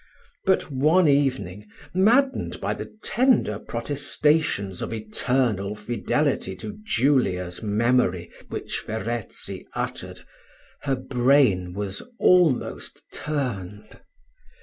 But one evening, maddened by the tender protestations of eternal fidelity to Julia's memory which Verezzi uttered, her brain was almost turned.